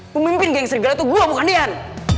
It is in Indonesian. pemimpin geng serigala itu gue bukan dian